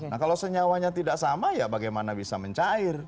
nah kalau senyawanya tidak sama ya bagaimana bisa mencair